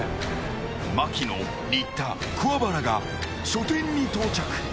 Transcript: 槙野、新田、桑原が書店に到着。